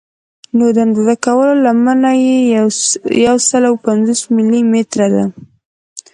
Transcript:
نو د اندازه کولو لمنه یې یو سل او پنځوس ملي متره ده.